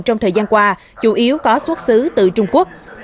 trong thời gian qua chủ yếu có xuất xứ từ trung quốc